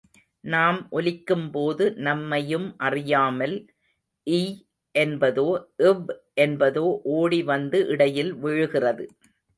நாம் ஒலிக்கும் போது, நம்மையும் அறியாமல், ய் என்பதோ, வ் என்பதோ ஓடி வந்து இடையில் விழுகிறது.